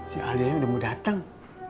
si alia yang udah mau dateng